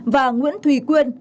và nguyễn thùy quyên